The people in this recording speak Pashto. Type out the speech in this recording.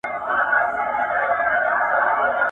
د سپو سلا فقير ته يوه ده.